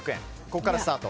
こからスタート。